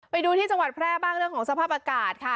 ไปดูที่จังหวัดแพร่บ้างเรื่องของสภาพอากาศค่ะ